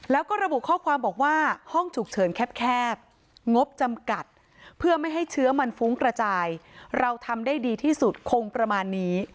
แล้วก็ระบุข้อความบอกว่าห้องฉุกเฉินแคบงบจำกัดเพื่อไม่ให้เชื้อมันฟุ้งกระจายเราทำได้ดีที่สุดคงประมาณนี้